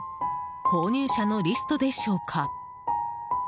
購入者のリストでしょうか？